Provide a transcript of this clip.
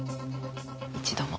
一度も。